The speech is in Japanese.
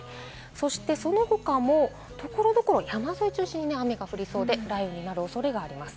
そしてその他も所々、山沿いを中心に雨が降りそうで雷雨になる恐れがあります。